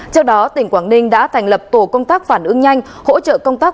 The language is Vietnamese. trước đó tỉnh quảng ninh đã thành lập tổ công tác phản ứng nhanh hỗ trợ công tác